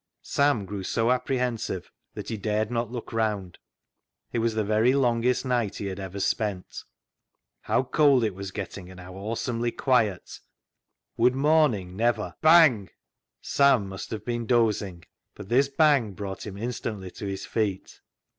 Sam grew so apprehensive that he dared not look round. It was the very longest night he had ever spent. How cold it was getting, and how awesomely quiet. Would morning never — Bang ! Sam must have been dozing, but this bang brought him instantly to his feet.